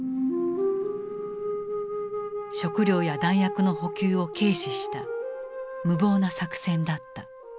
食糧や弾薬の補給を軽視した無謀な作戦だった。